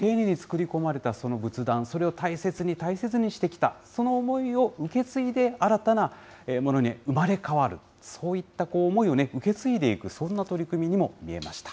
本当に丁寧に丁寧に作り込まれたその仏壇、それを大切に大切にしてきた、その思いを、受け継いで新たなものに生まれ変わる、そういった思いを、受け継いでいく、そんな取り組みにも見えました。